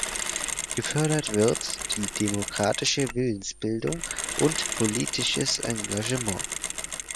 Gefördert wird die demokratische Willensbildung und politisches Engagement.